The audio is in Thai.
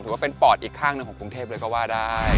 ว่าปอดอีกข้างหนึ่งของกรุงเทพเลยก็ว่าได้